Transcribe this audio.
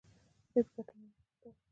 هیڅ ګټه وانه خیستله.